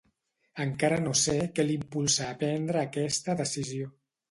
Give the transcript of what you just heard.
Encara no sé què l'impulsà a prendre aquesta decisió.